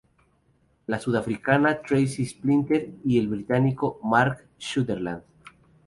La sudafricana Tracy Splinter y el británico Mark Sutherland.